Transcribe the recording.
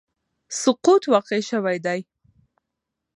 سقوط واقع شوی دی